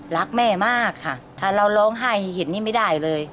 รักแม่มากค่ะถ้าเราร้องไห้เห็นนี่ไม่ได้เลย